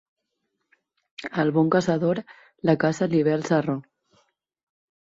Al bon caçador, la caça li ve al sarró.